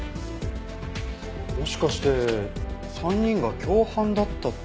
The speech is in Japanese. もしかして３人が共犯だったって事？